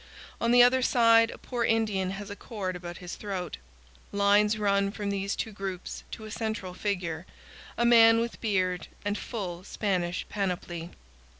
On the other side, a poor Indian has a cord about his throat. Lines run from these two groups to a central figure, a man with beard and full Spanish panoply.